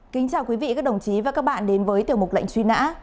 kính chào quý vị các đồng chí và các bạn đến với tiểu mục lệnh truy nã